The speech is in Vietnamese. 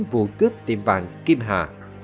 vụ cướp tiệm vàng kim hà